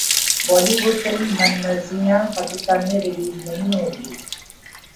بولی would film من مرضیاں پاکستان میں ریلیز نہیں ہوگی